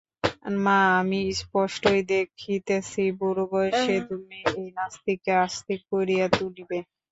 মা, আমি স্পষ্টই দেখিতেছি বুড়ো বয়সে তুমি এই নাস্তিককে আস্তিক করিয়া তুলিবে।